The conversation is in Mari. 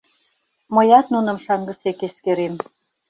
— Мыят нуным шаҥгысек эскерем.